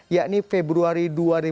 yakni februari dua ribu sembilan belas